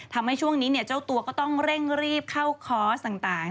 ทำให้ช่วงนี้เจ้าตัวก็ต้องเร่งรีบเข้าคอร์สต่าง